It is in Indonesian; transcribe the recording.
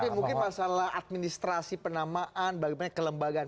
tapi mungkin masalah administrasi penamaan bagaimana kelembagaan